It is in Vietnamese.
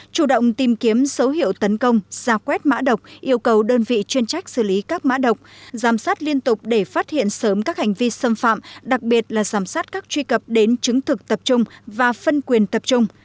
chủ động tìm kiếm số hiệu tấn công ra quét mã độc yêu cầu đơn vị chuyên trách xử lý các mã độc giảm sát liên tục để phát hiện sớm các hành vi xâm phạm đặc biệt là giảm sát các truy cập đến chứng thực tập trung và phân quyền tập trung